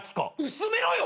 薄めろよ！